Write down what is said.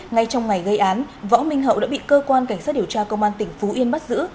ngay trong ngày gây án võ minh hậu đã bị cơ quan cảnh sát điều tra công an tỉnh phú yên bắt giữ